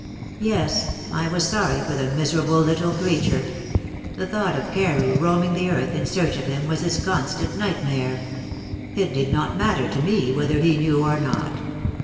"Yes. I was sorry for the miserable little creature. The thought of Carew roaming the earth in search of him was his constant nightmare. It did not matter to me whether he knew or not.